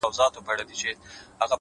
هغه خو زما کره په شپه راغلې نه ده،